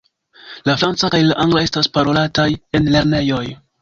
La franca kaj la angla estas parolataj en lernejoj.